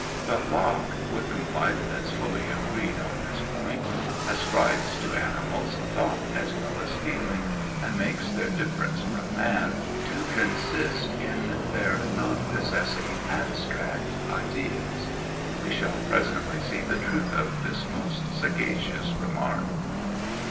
But Locke (with whom Leibnitz fully agreed on this point) ascribes to animals thought as well as feeling, and makes their difference from man to consist in their not possessing abstract ideas. We shall presently see the truth of this most sagacious remark.